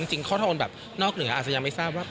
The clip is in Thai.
จริงข้อโทรแบบนอกเหนืออาจจะยังไม่ทราบว่า